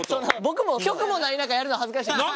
僕も曲もない中やるのは恥ずかしいです。